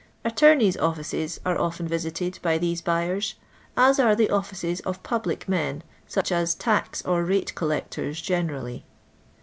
Attorneys' offices are often Tisited hj these buyers, as are the offices of public men, iKii as tax or rate collectors, generally.